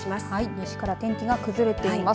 西から天気が崩れています。